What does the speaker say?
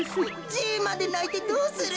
じいまでないてどうする。